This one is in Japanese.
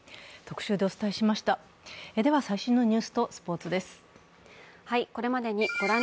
では、最新のニュースとスポーツです。